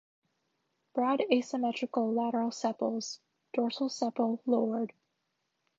Broad asymmetric lateral sepals, dorsal sepal lowered.